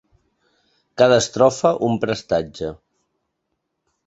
Cada estrofa un prestatge.